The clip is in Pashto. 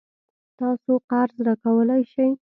تاسو قرض راکولای شئ؟